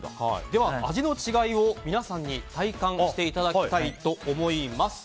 では、味の違いを皆さんに体感していただきたいと思います。